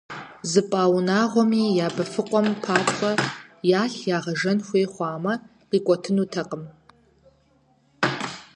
ЗыпӀа унагъуэми я быфыкъуэм папщӀэ ялъ ягъэжэн хуей хъуамэ, къикӀуэтынутэкъым.